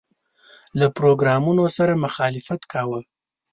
له پروګرامونو سره مخالفت کاوه.